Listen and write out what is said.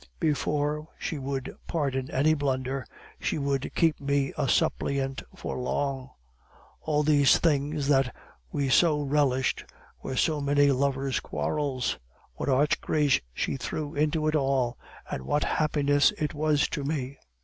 Before she would pardon any blunder, she would keep me a suppliant for long. All these things that we so relished, were so many lovers' quarrels. What arch grace she threw into it all! and what happiness it was to me!